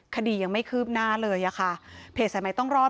คดียังไม่คืบหน้าเลยอะค่ะเพจสายใหม่ต้องรอด